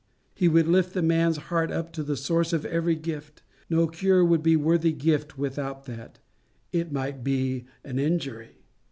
He would lift the man's heart up to the source of every gift. No cure would be worthy gift without that: it might be an injury.